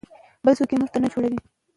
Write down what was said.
بل څوک یې موږ ته نه جوړوي.